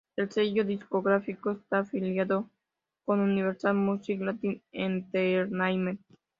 El sello discográfico está afiliado con Universal Music Latin Entertainment.